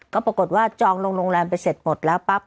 ก็ปรากฏว่าจองลงโรงแรมไปเสร็จหมดแล้วปั๊บ